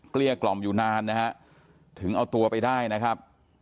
เกี้ยกล่อมอยู่นานนะฮะถึงเอาตัวไปได้นะครับ